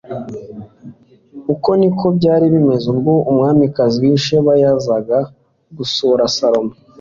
uko ni ko byari bimeze ubwo umwamikazi w'i sheba yazaga gusura salomo